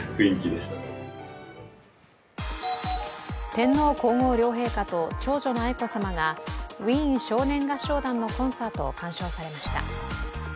天皇皇后両陛下と長女の愛子さまがウィーン少年合唱団のコンサートを鑑賞されました。